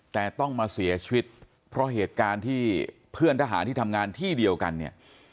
แต่ต้องมาเสียชีวิตเพราะเหตุการณ์ที่เพื่อนทหารที่ทำงานที่เดียวกันเนี่ย